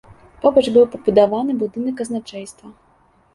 Побач быў пабудаваны будынак казначэйства.